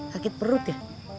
sakit perut ya